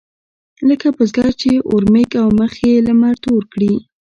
لکه بزګر چې اورمېږ او مخ يې لمر تور کړي.